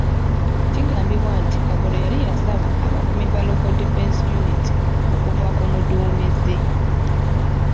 Kigambibwa nti Kagolo yali yasaba abakuumi ba Local Defence Unity okuva ku muduumizi.